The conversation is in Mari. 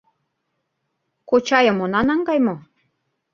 — Кочайым она наҥгай мо?..